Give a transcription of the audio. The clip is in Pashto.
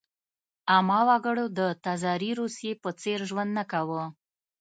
عامه وګړو د تزاري روسیې په څېر ژوند نه کاوه.